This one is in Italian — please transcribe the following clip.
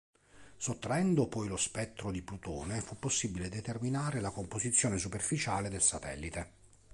Sottraendo poi lo spettro di Plutone fu possibile determinare la composizione superficiale del satellite.